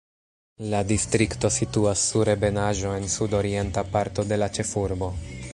La distrikto situas sur ebenaĵo en sud-orienta parto de la ĉefurbo.